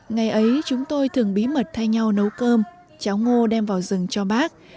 ngày ấy chúng tôi thường bí mật thay nhau nấu cơm cháu ngô đem vào rừng cho bác